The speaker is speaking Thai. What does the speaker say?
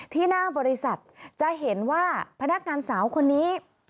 ที่หน้าบริษัทจะเห็นว่าพนักงานสาวคนนี้